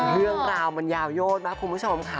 เรื่องราวมันยาวโยดมากคุณผู้ชมค่ะ